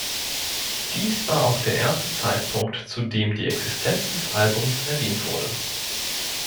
Dies war auch der erste Zeitpunkt, zu dem die Existenz des Albums erwähnt wurde.